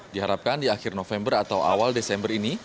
diharapkan di akhir november atau awal desember ini